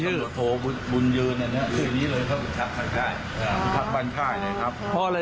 หรือว่าเป็นตำรวจของบ้านข้าย